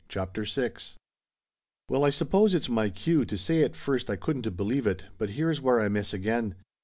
CHAPTER VI WELL, I suppose it's my cue to say at first I couldn't believe it, but here's where I miss again.